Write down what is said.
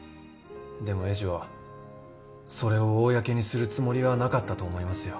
でも栄治はそれを公にするつもりはなかったと思いますよ。